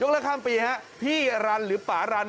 ยกเลิกข้ามปีเนี่ยฮะพี่รันหรือป่ารัน